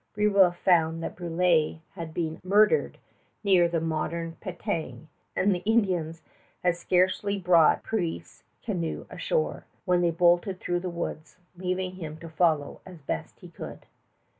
Brébeuf found that Brulé had been murdered near the modern Penetang; and the Indians had scarcely brought the priest's canoe ashore, when they bolted through the woods, leaving him to follow as best he could.